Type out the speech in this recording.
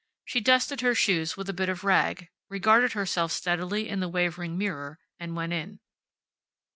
She dusted her shoes with a bit of rag, regarded herself steadily in the wavering mirror, and went in.